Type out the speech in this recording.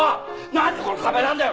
なんでこれが壁なんだよ！